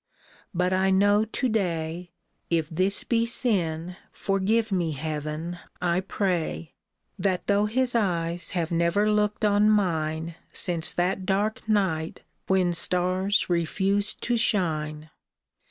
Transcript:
But I know to day — If this be sin, forgive me, Heaven, I pray !— That though his eyes have never looked on mine Since that dark night when stars refused to shine.